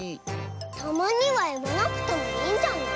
たまにはいわなくてもいいんじゃない？